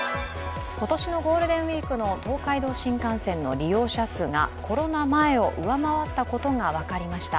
今年のゴールデンウイークの東海道新幹線の利用者数がコロナ前を上回ったことが分かりました。